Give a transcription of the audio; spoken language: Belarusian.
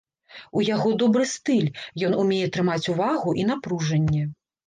У яго добры стыль, ён умее трымаць увагу і напружанне.